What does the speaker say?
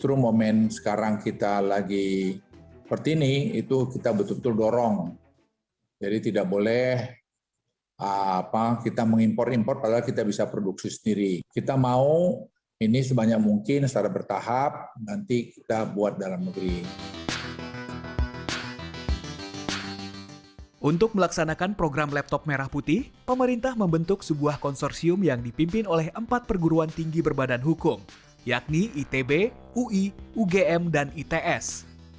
untuk melaksanakan program laptop merah putih pemerintah membentuk sebuah konsorsium yang dipimpin oleh empat perguruan tinggi berbadan hukum yakni itb ui ugm dan its